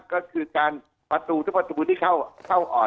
ก็คือการประตูทุกประตูที่เข้าออก